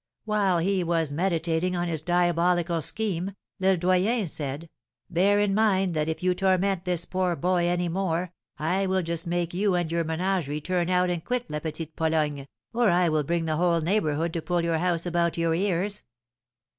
While he was meditating on his diabolical scheme, Le Doyen said, 'Bear in mind that if you torment this poor boy any more I will just make you and your menagerie turn out and quit La Petite Pologne, or I will bring the whole neighbourhood to pull your house about your ears.